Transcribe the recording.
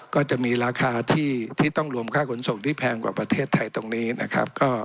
ก็จะมีราคาที่ต้องรวมค่าขนส่งที่แพงกว่าประเทศไทยตรงนี้นะครับ